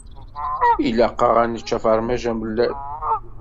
Ilaq-aɣ ad nečč afermaj amellal.